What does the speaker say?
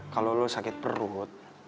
kalau lu sakit perut